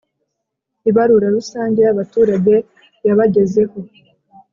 ibarura rusange yabaturage yabagezeho